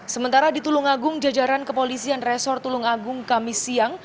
sementara di tulungagung jajaran kepolisian resor tulungagung kamis siang